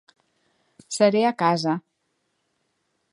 Seré a casa.